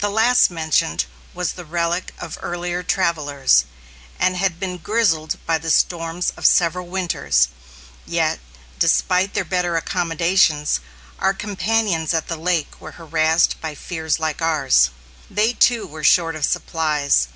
The last mentioned was the relic of earlier travellers and had been grizzled by the storms of several winters. Yet, despite their better accommodations, our companions at the lake were harassed by fears like ours. They too were short of supplies.